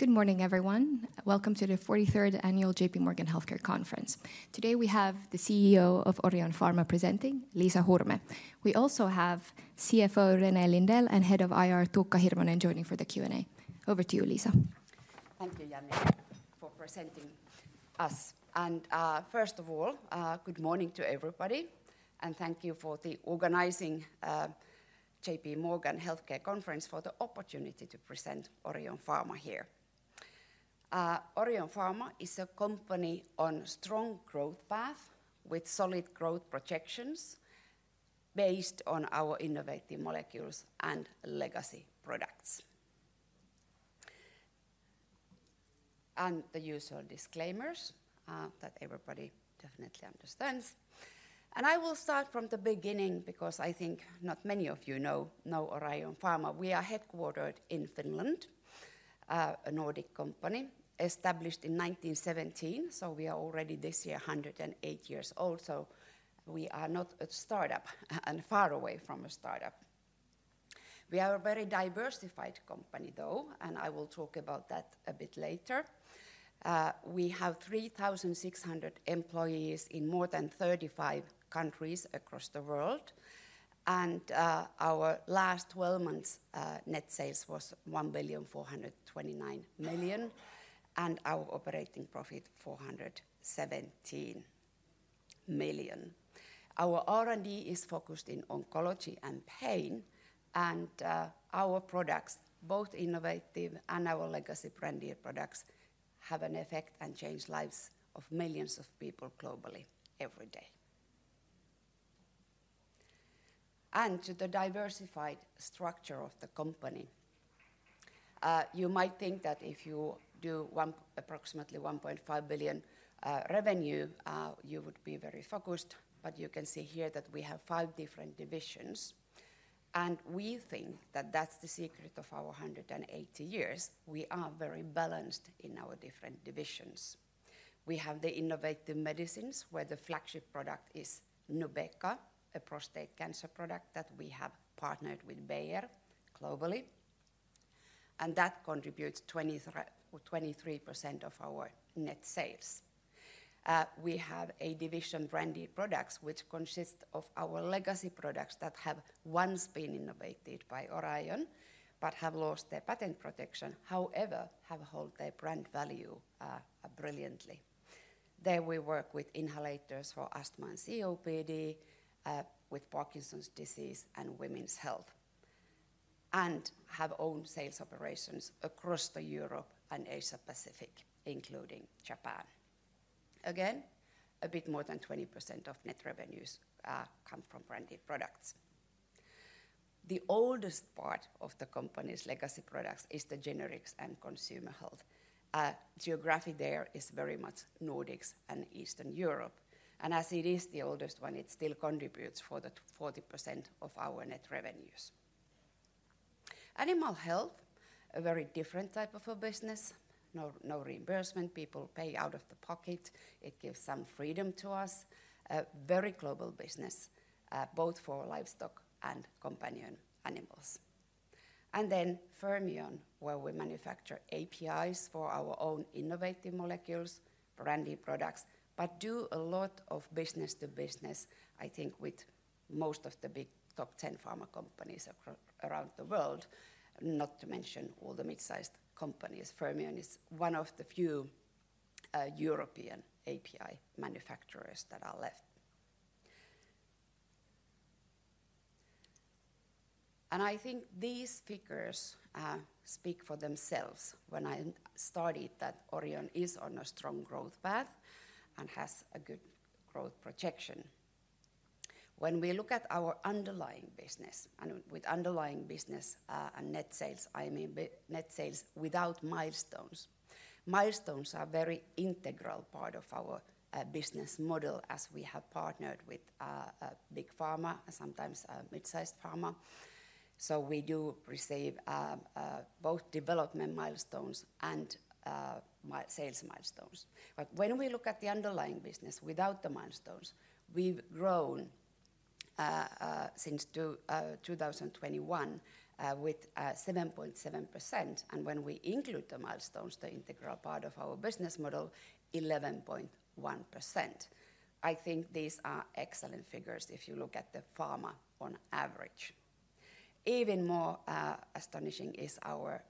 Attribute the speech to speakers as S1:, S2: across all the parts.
S1: Good morning, everyone. Welcome to the 43rd Annual J.P. Morgan Healthcare Conference. Today we have the CEO of Orion Pharma presenting, Liisa Hurme. We also have CFO René Lindell and Head of IR Tuukka Hirvonen joining for the Q&A. Over to you, Liisa.
S2: Thank you, Janne, for presenting us. And first of all, good morning to everybody, and thank you for organizing the J.P. Morgan Healthcare Conference for the opportunity to present Orion Pharma here. Orion Pharma is a company on a strong growth path with solid growth projections based on our innovative molecules and legacy products. And the usual disclaimers that everybody definitely understands. And I will start from the beginning because I think not many of you know Orion Pharma. We are headquartered in Finland, a Nordic company established in 1917, so we are already this year 108 years old, so we are not a startup and far away from a startup. We are a very diversified company, though, and I will talk about that a bit later. We have 3,600 employees in more than 35 countries across the world, and our last 12 months' net sales was 1,429 million, and our operating profit 417 million. Our R&D is focused in oncology and pain, and our products, both innovative and our legacy branded products, have an effect and change the lives of millions of people globally every day, and to the diversified structure of the company, you might think that if you do approximately 1.5 billion revenue, you would be very focused, but you can see here that we have five different divisions, and we think that that's the secret of our 180 years. We are very balanced in our different divisions. We have the innovative medicines where the flagship product is Nubeqa, a prostate cancer product that we have partnered with Bayer globally, and that contributes 23% of our net sales. We have a division, Branded Products, which consists of our legacy products that have once been innovated by Orion but have lost their patent protection, however, have held their brand value brilliantly. There we work with inhalers for asthma and COPD, with Parkinson's disease and women's health, and have own sales operations across Europe and Asia-Pacific, including Japan. Again, a bit more than 20% of net revenues come from branded products. The oldest part of the company's legacy products is the generics and consumer health. Geography there is very much Nordics and Eastern Europe, and as it is the oldest one, it still contributes for 40% of our net revenues. Animal health, a very different type of a business, no reimbursement, people pay out of pocket, it gives some freedom to us, a very global business, both for livestock and companion animals. And then Fermion, where we manufacture APIs for our own innovative molecules, branded products, but do a lot of business-to-business, I think, with most of the big top 10 pharma companies around the world, not to mention all the mid-sized companies. Fermion is one of the few European API manufacturers that are left. And I think these figures speak for themselves when I stated that Orion is on a strong growth path and has a good growth projection. When we look at our underlying business, and with underlying business and net sales, I mean net sales without milestones. Milestones are a very integral part of our business model as we have partnered with big pharma, sometimes mid-sized pharma, so we do receive both development milestones and sales milestones. When we look at the underlying business without the milestones, we've grown since 2021 with 7.7%, and when we include the milestones, the integral part of our business model, 11.1%. I think these are excellent figures if you look at the pharma on average. Even more astonishing is our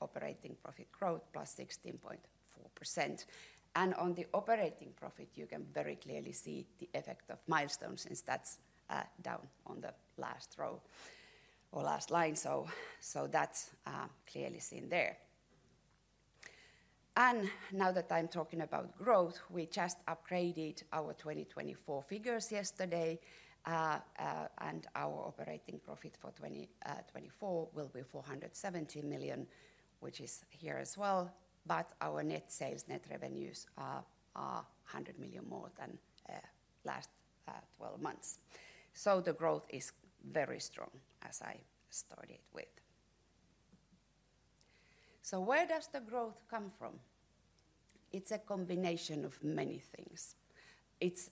S2: operating profit growth, plus 16.4%. On the operating profit, you can very clearly see the effect of milestones since that's down on the last row or last line, so that's clearly seen there. Now that I'm talking about growth, we just upgraded our 2024 figures yesterday, and our operating profit for 2024 will be 470 million, which is here as well, but our net sales, net revenues are 100 million more than last 12 months. The growth is very strong as I started with. Where does the growth come from? It's a combination of many things. It's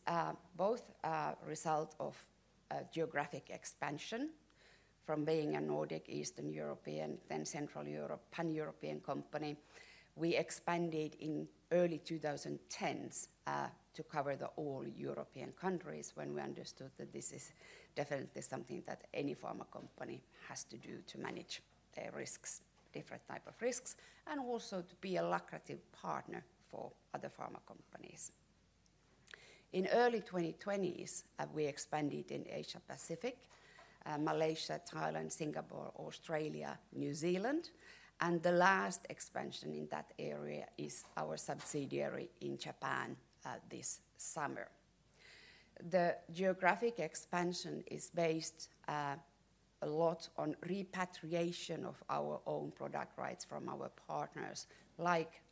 S2: both a result of geographic expansion from being a Nordic, Eastern European, then Central Europe, Pan-European company. We expanded in early 2010s to cover all European countries when we understood that this is definitely something that any pharma company has to do to manage their risks, different types of risks, and also to be a lucrative partner for other pharma companies. In the early 2020s, we expanded in Asia-Pacific, Malaysia, Thailand, Singapore, Australia, New Zealand, and the last expansion in that area is our subsidiary in Japan this summer. The geographic expansion is based a lot on repatriation of our own product rights from our partners. Like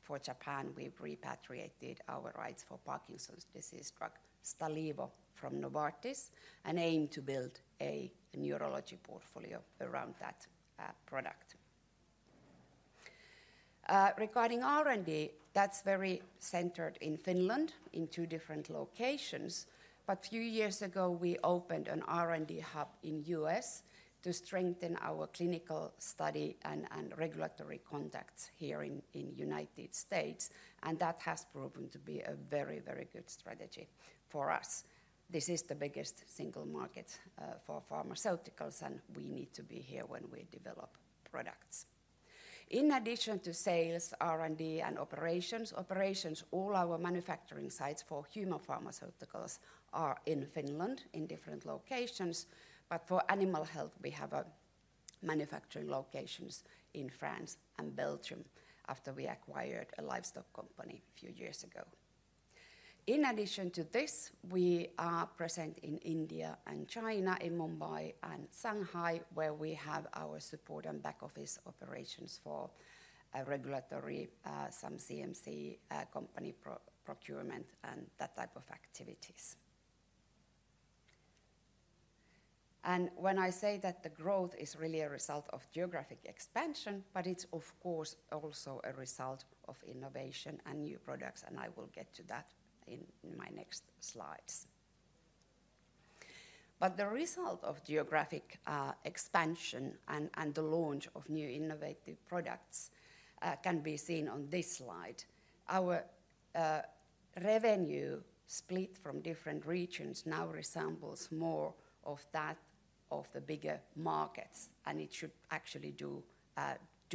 S2: for Japan, we've repatriated our rights for Parkinson's disease drug Stalivo from Novartis and aim to build a neurology portfolio around that product. Regarding R&D, that's very centered in Finland in two different locations, but a few years ago we opened an R&D hub in the U.S. to strengthen our clinical study and regulatory contacts here in the United States, and that has proven to be a very, very good strategy for us. This is the biggest single market for pharmaceuticals, and we need to be here when we develop products. In addition to sales, R&D, and operations, all our manufacturing sites for human pharmaceuticals are in Finland in different locations, but for animal health, we have manufacturing locations in France and Belgium after we acquired a livestock company a few years ago. In addition to this, we are present in India and China, in Mumbai and Shanghai, where we have our support and back office operations for regulatory, some CMC company procurement, and that type of activities. When I say that the growth is really a result of geographic expansion, but it's of course also a result of innovation and new products, and I will get to that in my next slides. The result of geographic expansion and the launch of new innovative products can be seen on this slide. Our revenue split from different regions now resembles more of that of the bigger markets, and it should actually do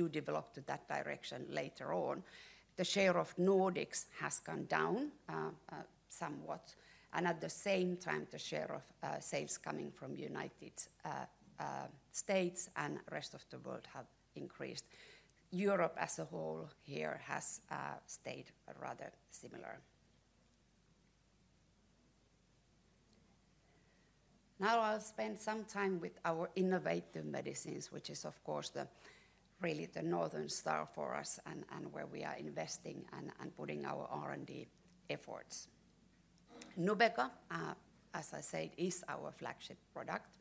S2: develop to that direction later on. The share of Nordics has gone down somewhat, and at the same time, the share of sales coming from the United States and the rest of the world have increased. Europe as a whole here has stayed rather similar. Now I'll spend some time with our innovative medicines, which is of course really the northern star for us and where we are investing and putting our R&D efforts. Nubeqa, as I said, is our flagship product.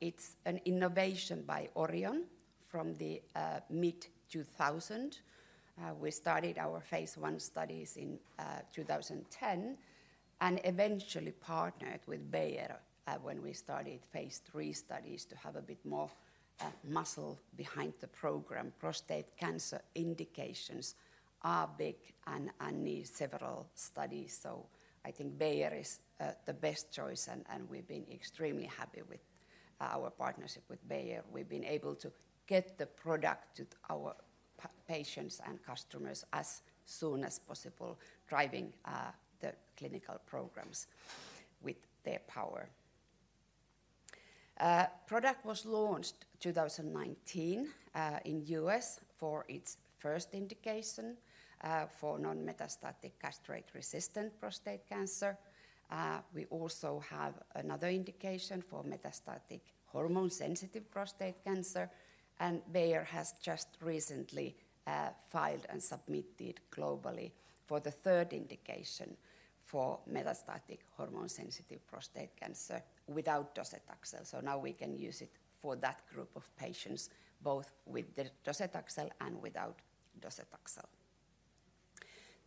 S2: It's an innovation by Orion from the mid-2000s. We started our phase one studies in 2010 and eventually partnered with Bayer when we started phase three studies to have a bit more muscle behind the program. Prostate cancer indications are big and need several studies, so I think Bayer is the best choice, and we've been extremely happy with our partnership with Bayer. We've been able to get the product to our patients and customers as soon as possible, driving the clinical programs with their power. The product was launched in 2019 in the US for its first indication for non-metastatic castrate-resistant prostate cancer. We also have another indication for metastatic hormone-sensitive prostate cancer, and Bayer has just recently filed and submitted globally for the third indication for metastatic hormone-sensitive prostate cancer without docetaxel, so now we can use it for that group of patients, both with the docetaxel and without docetaxel.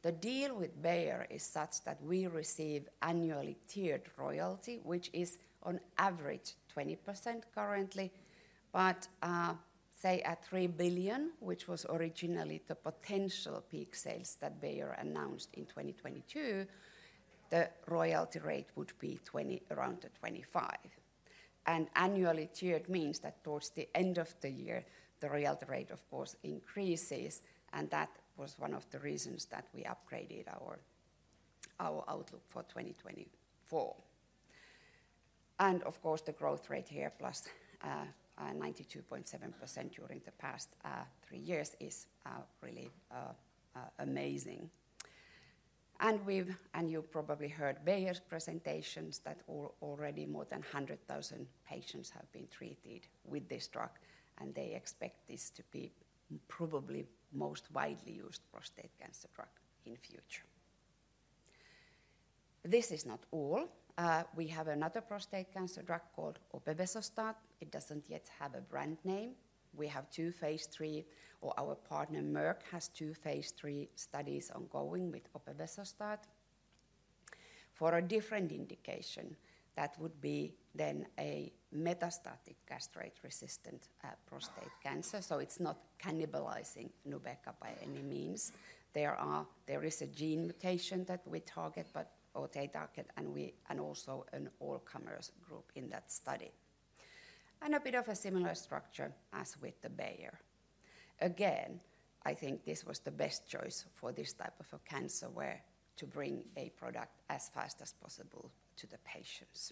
S2: The deal with Bayer is such that we receive annually tiered royalty, which is on average 20% currently, but say at 3 billion, which was originally the potential peak sales that Bayer announced in 2022, the royalty rate would be around 25%. Annually tiered means that towards the end of the year, the royalty rate of course increases, and that was one of the reasons that we upgraded our outlook for 2024, and of course, the growth rate here, plus 92.7% during the past three years, is really amazing. You've probably heard Bayer's presentations that already more than 100,000 patients have been treated with this drug, and they expect this to be probably the most widely used prostate cancer drug in the future. This is not all. We have another prostate cancer drug called opevesostat. It doesn't yet have a brand name. We have two phase three, or our partner Merck has two phase three studies ongoing with opevesostat. For a different indication, that would be then a metastatic castrate-resistant prostate cancer, so it's not cannibalizing Nubeqa by any means. There is a gene mutation that we target, but all-comers target, and also an all-comers group in that study. A bit of a similar structure as with the Bayer. Again, I think this was the best choice for this type of a cancer where to bring a product as fast as possible to the patients.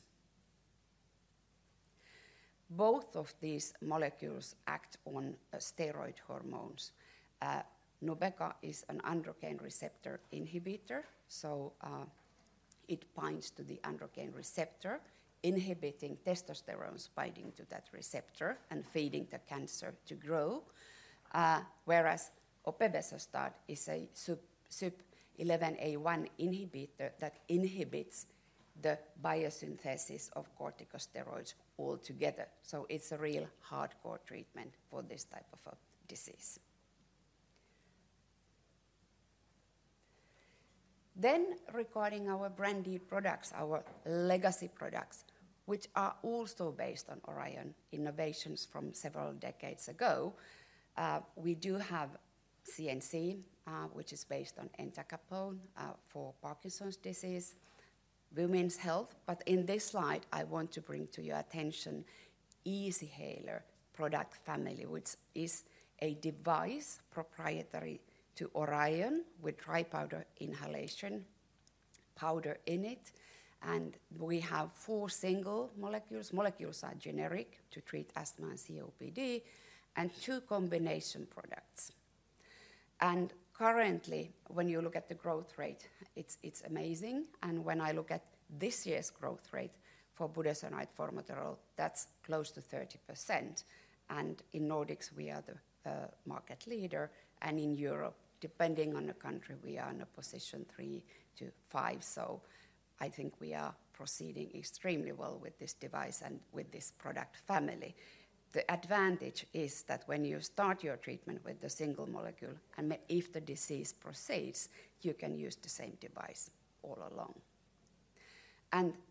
S2: Both of these molecules act on steroid hormones. Nubeqa is an androgen receptor inhibitor, so it binds to the androgen receptor, inhibiting testosterone spiking to that receptor and feeding the cancer to grow, whereas opevesostat is a CYP11A1 inhibitor that inhibits the biosynthesis of corticosteroids altogether. So it's a real hardcore treatment for this type of a disease. Then regarding our branded products, our legacy products, which are also based on Orion innovations from several decades ago, we do have Stalivo, which is based on entacapone for Parkinson's disease, women's health, but in this slide, I want to bring to your attention Easyhaler product family, which is a device proprietary to Orion with dry powder inhalation powder in it, and we have four single molecules. Molecules are generic to treat asthma and COPD, and two combination products. Currently, when you look at the growth rate, it's amazing, and when I look at this year's growth rate for budesonide-formoterol, that's close to 30%, and in Nordics, we are the market leader, and in Europe, depending on the country, we are in a position three-to-five, so I think we are proceeding extremely well with this device and with this product family. The advantage is that when you start your treatment with the single molecule, and if the disease proceeds, you can use the same device all along.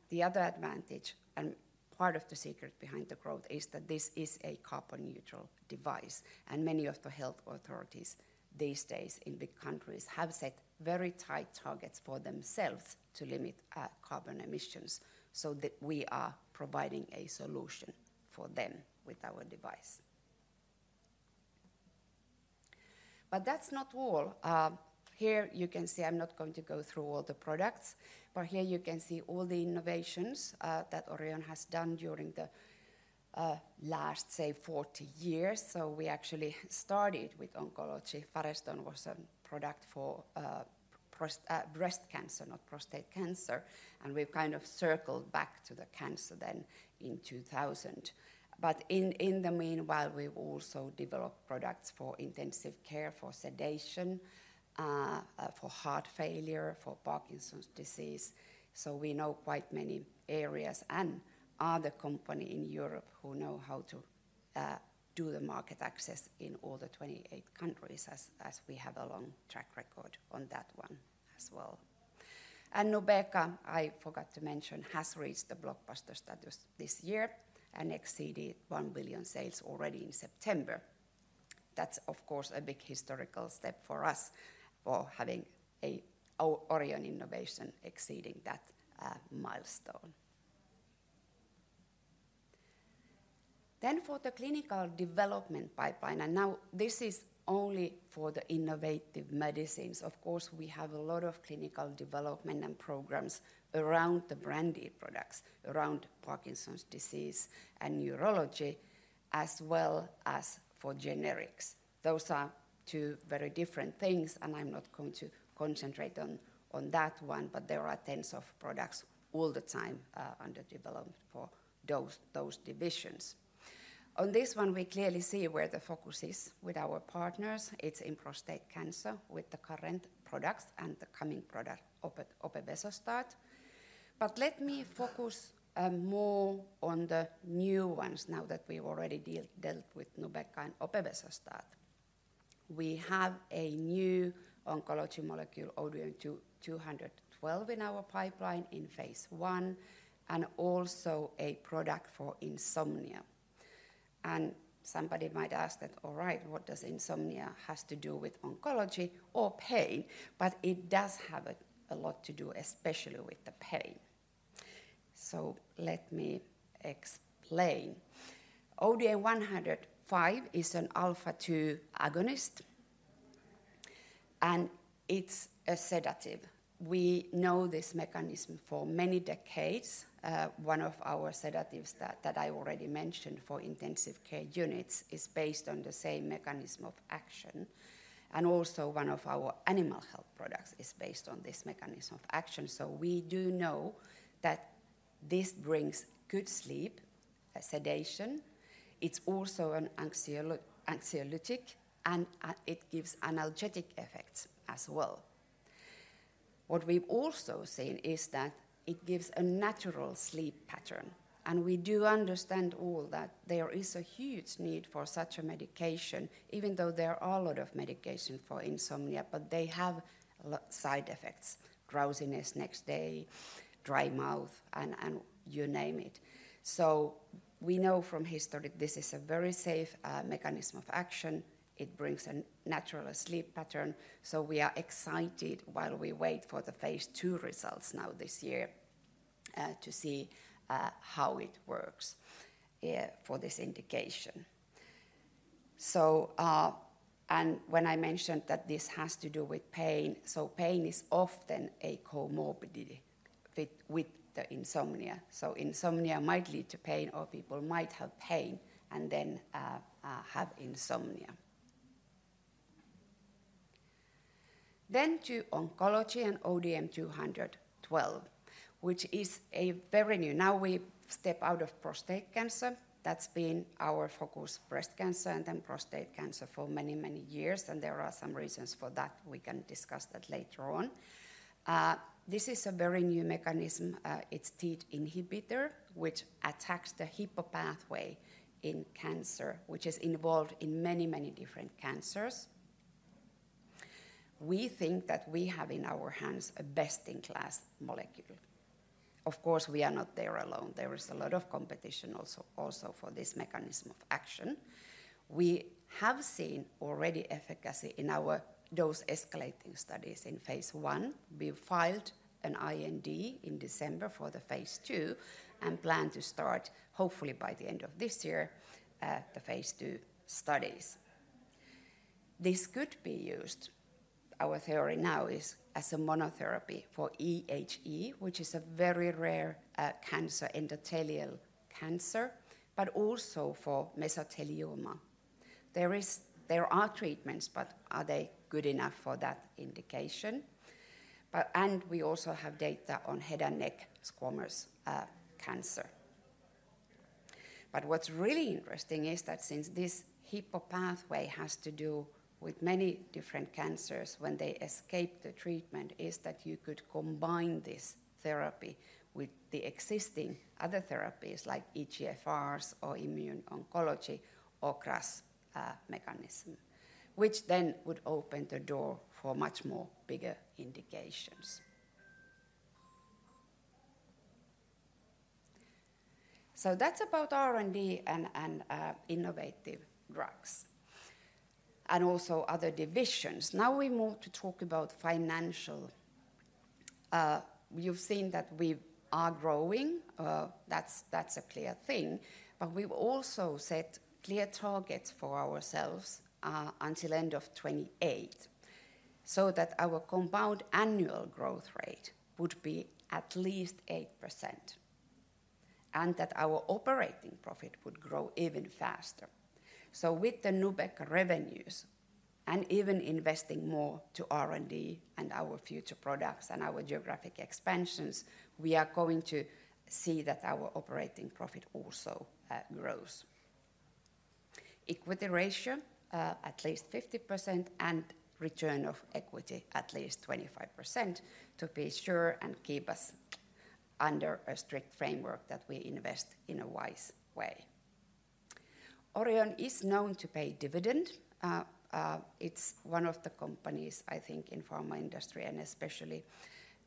S2: The other advantage, and part of the secret behind the growth, is that this is a carbon-neutral device, and many of the health authorities these days in big countries have set very tight targets for themselves to limit carbon emissions, so that we are providing a solution for them with our device. But that's not all. Here you can see, I'm not going to go through all the products, but here you can see all the innovations that Orion has done during the last, say, 40 years, so we actually started with oncology. Fareston was a product for breast cancer, not prostate cancer, and we've kind of circled back to the cancer then in 2000. But in the meanwhile, we've also developed products for intensive care, for sedation, for heart failure, for Parkinson's disease, so we know quite many areas, and other companies in Europe who know how to do the market access in all the 28 countries, as we have a long track record on that one as well, and Nubeqa, I forgot to mention, has reached the blockbuster status this year and exceeded 1 billion in sales already in September. That's of course a big historical step for us for having an Orion innovation exceeding that milestone. Then for the clinical development pipeline, and now this is only for the innovative medicines. Of course, we have a lot of clinical development and programs around the branded products, around Parkinson's disease and neurology, as well as for generics. Those are two very different things, and I'm not going to concentrate on that one, but there are tens of products all the time under development for those divisions. On this one, we clearly see where the focus is with our partners. It's in prostate cancer with the current products and the coming product, opevesostat. But let me focus more on the new ones now that we've already dealt with Nubeqa and opevesostat. We have a new oncology molecule, ODM-212, in our pipeline in phase one, and also a product for insomnia. And somebody might ask that, "Alright, what does insomnia have to do with oncology or pain?" But it does have a lot to do, especially with the pain. So let me explain. ODM-105 is an alpha-2 agonist, and it's a sedative. We know this mechanism for many decades. One of our sedatives that I already mentioned for intensive care units is based on the same mechanism of action, and also one of our animal health products is based on this mechanism of action, so we do know that this brings good sleep, sedation. It's also an anxiolytic, and it gives analgesic effects as well. What we've also seen is that it gives a natural sleep pattern, and we do understand all that there is a huge need for such a medication, even though there are a lot of medications for insomnia, but they have side effects: drowsiness the next day, dry mouth, and you name it. So we know from history that this is a very safe mechanism of action. It brings a natural sleep pattern, so we are excited while we wait for the phase two results now this year to see how it works for this indication. And when I mentioned that this has to do with pain, so pain is often a comorbidity with the insomnia, so insomnia might lead to pain, or people might have pain and then have insomnia. Then to oncology and ODM-212, which is very new. Now we step out of prostate cancer. That's been our focus: breast cancer and then prostate cancer for many, many years, and there are some reasons for that. We can discuss that later on. This is a very new mechanism. It's TEAD inhibitor, which attacks the Hippo pathway in cancer, which is involved in many, many different cancers. We think that we have in our hands a best-in-class molecule. Of course, we are not there alone. There is a lot of competition also for this mechanism of action. We have seen already efficacy in our dose-escalating studies in phase one. We filed an IND in December for the phase two and plan to start, hopefully by the end of this year, the phase two studies. This could be used. Our theory now is as a monotherapy for EHE, which is a very rare cancer, endothelial cancer, but also for mesothelioma. There are treatments, but are they good enough for that indication? And we also have data on head and neck squamous cancer. But what's really interesting is that since this Hippo pathway has to do with many different cancers when they escape the treatment, is that you could combine this therapy with the existing other therapies like EGFRs or immuno-oncology or KRAS mechanism, which then would open the door for much bigger indications. So that's about R&D and innovative drugs and also other divisions. Now we move to talk about financial. You've seen that we are growing. That's a clear thing, but we've also set clear targets for ourselves until end of 2028 so that our compound annual growth rate would be at least 8% and that our operating profit would grow even faster. With the Nubeqa revenues and even investing more to R&D and our future products and our geographic expansions, we are going to see that our operating profit also grows. Equity ratio, at least 50%, and return of equity, at least 25%, to be sure and keep us under a strict framework that we invest in a wise way. Orion is known to pay dividend. It's one of the companies, I think, in the pharma industry, and especially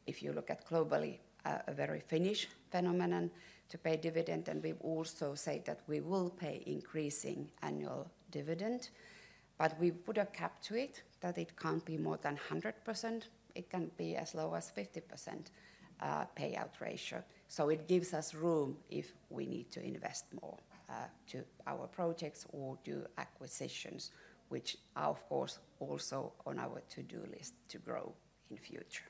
S2: if you look at globally, a very Finnish phenomenon to pay dividend, and we've also said that we will pay increasing annual dividend, but we put a cap to it that it can't be more than 100%. It can be as low as 50% payout ratio, so it gives us room if we need to invest more to our projects or do acquisitions, which are, of course, also on our to-do list to grow in the future.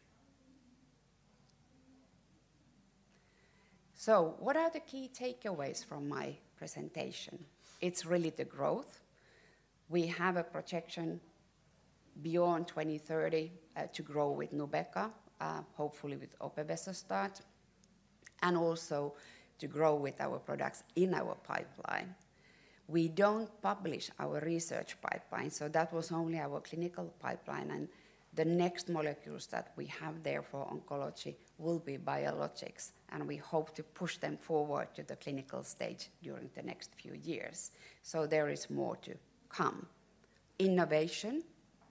S2: So what are the key takeaways from my presentation? It's really the growth. We have a projection beyond 2030 to grow with Nubeqa, hopefully with opevesostat, and also to grow with our products in our pipeline. We don't publish our research pipeline, so that was only our clinical pipeline, and the next molecules that we have there for oncology will be biologics, and we hope to push them forward to the clinical stage during the next few years, so there is more to come. Innovation,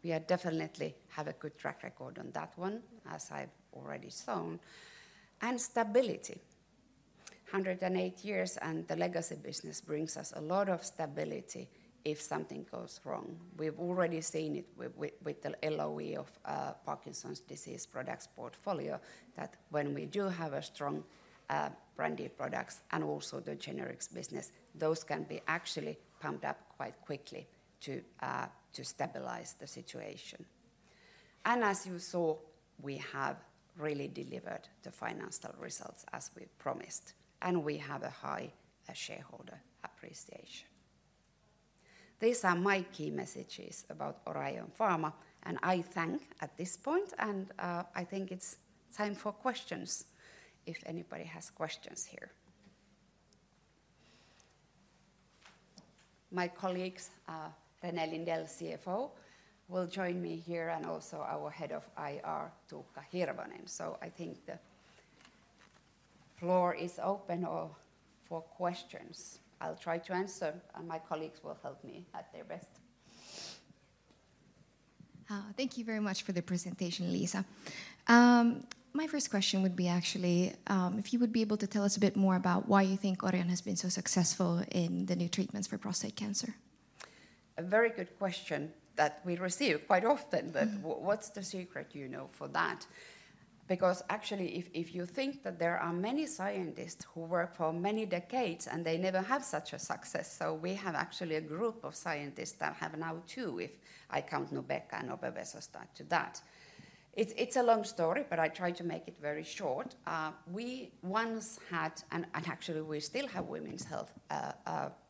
S2: we definitely have a good track record on that one, as I've already shown, and stability. 108 years and the legacy business brings us a lot of stability if something goes wrong. We've already seen it with the LOE of Parkinson's disease products portfolio that when we do have strong branded products and also the generics business, those can be actually pumped up quite quickly to stabilize the situation. And as you saw, we have really delivered the financial results as we promised, and we have a high shareholder appreciation. These are my key messages about Orion Pharma, and I thank at this point, and I think it's time for questions if anybody has questions here. My colleagues, René Lindell, CFO, will join me here, and also our head of IR, Tuukka Hirvonen, so I think the floor is open for questions. I'll try to answer, and my colleagues will help me at their best.
S1: Thank you very much for the presentation, Liisa. My first question would be actually if you would be able to tell us a bit more about why you think Orion has been so successful in the new treatments for prostate cancer.
S2: A very good question that we receive quite often, but what's the secret, you know, for that? Because actually, if you think that there are many scientists who work for many decades and they never have such a success, so we have actually a group of scientists that have now two, if I count Nubeqa and opevesostat to that. It's a long story, but I try to make it very short. We once had, and actually we still have Women's Health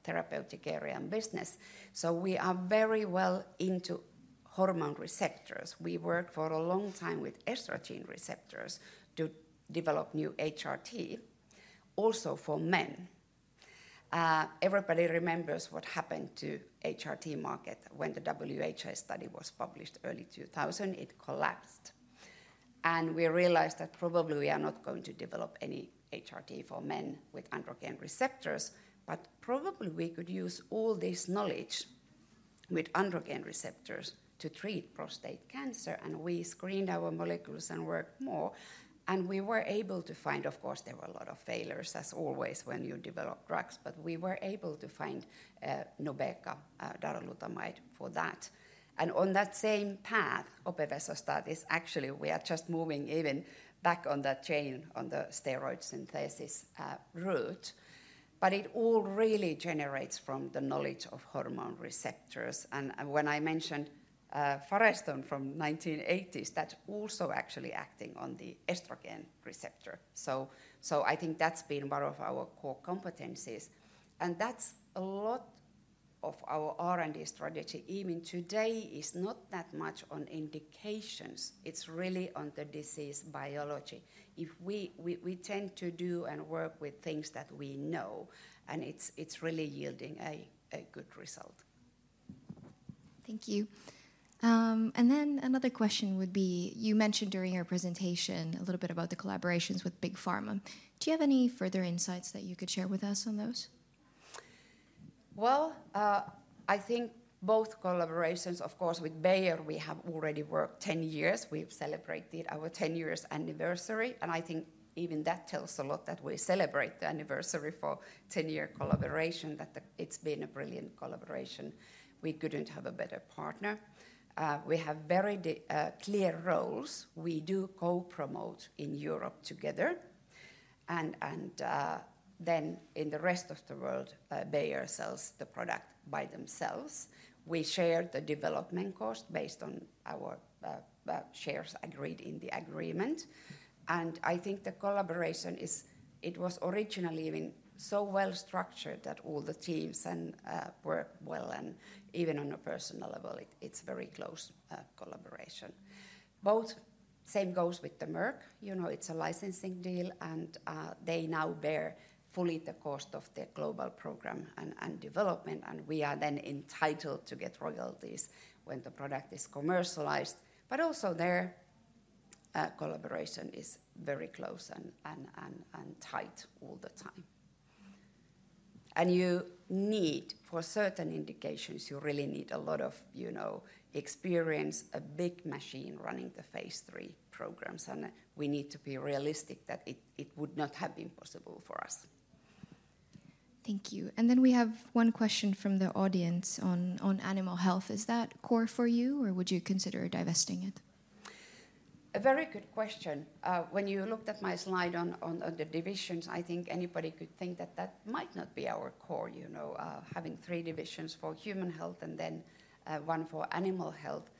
S2: Therapeutic Area and business, so we are very well into hormone receptors. We worked for a long time with estrogen receptors to develop new HRT, also for men. Everybody remembers what happened to the HRT market when the WHI study was published early 2000. It collapsed, and we realized that probably we are not going to develop any HRT for men with androgen receptors, but probably we could use all this knowledge with androgen receptors to treat prostate cancer, and we screened our molecules and worked more, and we were able to find, of course, there were a lot of failures, as always when you develop drugs, but we were able to find Nubeqa, darolutamide for that, and on that same path, opevesostat is actually, we are just moving even back on that chain on the steroid synthesis route, but it all really generates from the knowledge of hormone receptors. And when I mentioned Farestone from the 1980s, that's also actually acting on the estrogen receptor, so I think that's been one of our core competencies, and that's a lot of our R&D strategy. Even today, it's not that much on indications. It's really on the disease biology. We tend to do and work with things that we know, and it's really yielding a good result. Thank you. And then another question would be, you mentioned during your presentation a little bit about the collaborations with Big Pharma. Do you have any further insights that you could share with us on those? Well, I think both collaborations, of course, with Bayer, we have already worked 10 years. We've celebrated our 10 years anniversary, and I think even that tells a lot that we celebrate the anniversary for 10-year collaboration, that it's been a brilliant collaboration. We couldn't have a better partner. We have very clear roles. We do co-promote in Europe together, and then in the rest of the world, Bayer sells the product by themselves. We share the development cost based on our shares agreed in the agreement, and I think the collaboration is, it was originally even so well structured that all the teams worked well, and even on a personal level, it's a very close collaboration. Same goes with the Merck. You know, it's a licensing deal, and they now bear fully the cost of the global program and development, and we are then entitled to get royalties when the product is commercialized, but also their collaboration is very close and tight all the time. You need, for certain indications, you really need a lot of experience, a big machine running the phase three programs, and we need to be realistic that it would not have been possible for us. Thank you. We have one question from the audience on animal health. Is that core for you, or would you consider divesting it? A very good question. When you looked at my slide on the divisions, I think anybody could think that that might not be our core, having three divisions for human health and then one for animal health,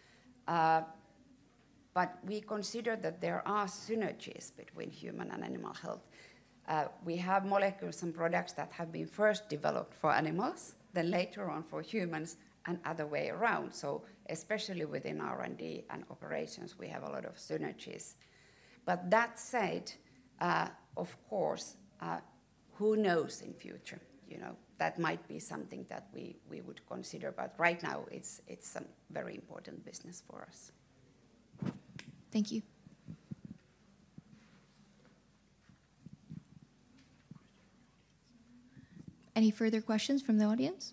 S2: but we consider that there are synergies between human and animal health. We have molecules and products that have been first developed for animals, then later on for humans, and other way around, so especially within R&D and operations, we have a lot of synergies. But that said, of course, who knows in the future? That might be something that we would consider, but right now, it's a very important business for us.
S1: Thank you. Any further questions from the audience?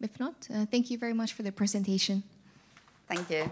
S1: If not, thank you very much for the presentation.
S2: Thank you.